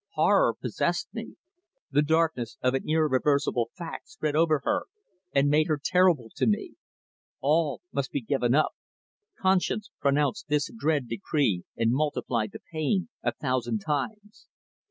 Horror possessed me. The darkness of an irreversible fact spread over her and made her terrible to me. All must be given up. Conscience pronounced this dread decree and multiplied the pain a thousand times.